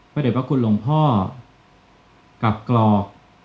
เด็จพระคุณหลวงพ่อกลับกรอก